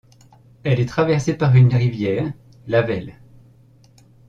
Elle est traversée par une rivière, la Vesle.